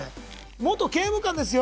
元刑務官ですよ？